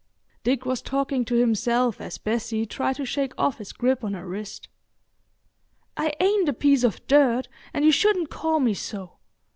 Dick was talking to himself as Bessie tried to shake off his grip on her wrist. "I ain't a piece of dirt, and you shouldn't call me so!